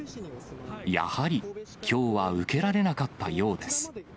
やはり、きょうは受けられなかったようです。